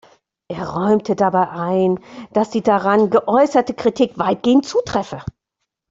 Er räumte dabei ein, dass die daran geäußerte Kritik weitgehend zutreffe.